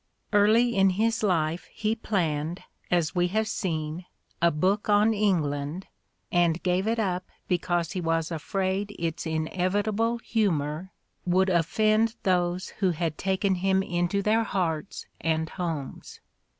Early in his life he planned, as we have seen, a book on England and gave it up because he was afraid its inevitable humor would "offend those who had taken him into their hearts and homes."